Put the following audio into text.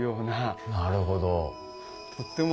なるほど。